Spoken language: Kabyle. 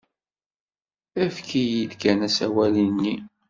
Efk-iyi-d kan asawal-nni.